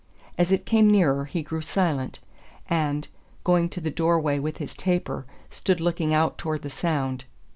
As it came nearer, he grew silent, and, going to the door way with his taper, stood looking out towards the sound.